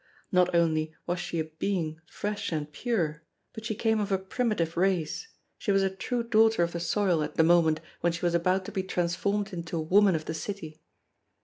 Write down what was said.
Not only was she a being fresh and pure, but she came of a primitive race; she was a true daughter of the soil at the moment when she was about to be transformed into a woman of the city.